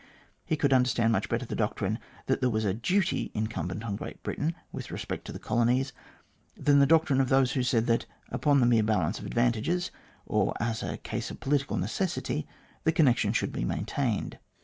He could under stand much better the doctrine that there was a duty incumbent on Great Britain with respect to the colonies, than the doctrine of those who said that, upon the mere balance of advantages, or as a case of political necessity, the connection should be maintained.